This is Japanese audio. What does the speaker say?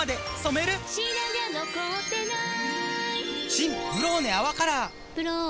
新「ブローネ泡カラー」「ブローネ」